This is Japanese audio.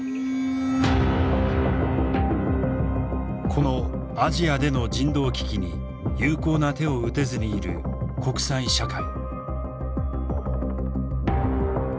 このアジアでの人道危機に有効な手を打てずにいる国際社会。